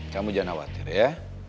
kamu jangan khawatir ya